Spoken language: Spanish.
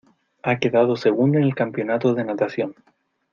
Ha quedado segunda en el campeonato de natación.